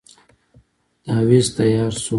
تاويذ تیار شو.